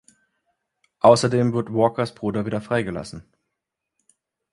Außerdem wird Walkers Bruder wieder freigelassen.